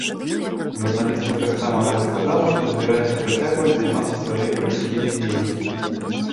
Журналістка таксама расказала, што збіраецца працягваць займацца сваёй прафесійнай дзейнасцю.